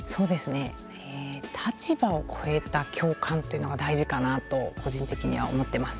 立場を超えた共感というのが大事かなと個人的には思っています。